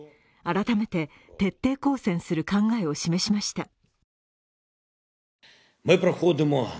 改めて徹底抗戦する考えを示しました。